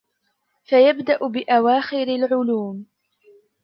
فَيَبْدَأُ بِأَوَاخِرِ الْعُلُومِ